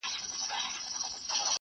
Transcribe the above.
د دې توپان له زوره نهشو وتی